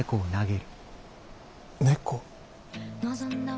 猫。